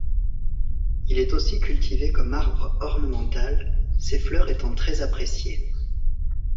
Il est aussi cultivé comme arbre ornemental, ses fleurs étant très appréciées.